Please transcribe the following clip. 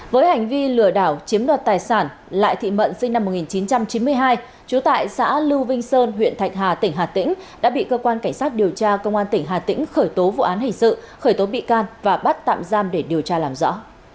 với hành vi lừa đảo chiếm đoạt tài sản lại thị mận sinh năm một nghìn chín trăm chín mươi hai trú tại xã lưu vinh sơn huyện thạch hà tỉnh hà tĩnh đã bị cơ quan cảnh sát điều tra công an tỉnh hà tĩnh khởi tố vụ án hình sự khởi tố bị can và bắt tạm giam để điều tra làm rõ